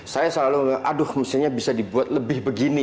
saya selalu aduh mestinya bisa dibuat lebih begini